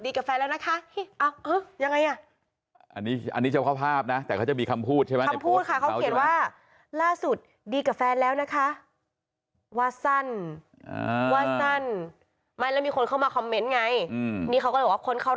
นี่ค่ะมีภาพนี้ขึ้นมาแล้วบอกว่า